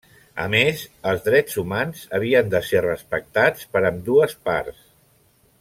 A més, els drets humans havien de ser respectats per ambdues parts.